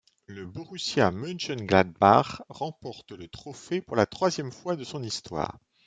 Le Borussia Mönchengladbach remporte le trophée pour la troisième fois de son histoire.